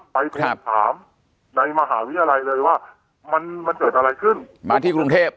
ไปทวงถามในมหาวิทยาลัยเลยว่ามันเกิดอะไรขึ้นมาที่กรุงเทพ